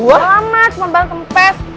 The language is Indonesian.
yang lama cuma barang tempes